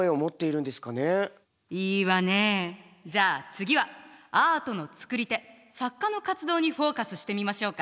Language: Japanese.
いいわねじゃあ次はアートの作り手作家の活動にフォーカスしてみましょうか。